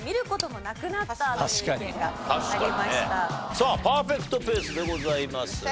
さあパーフェクトペースでございます。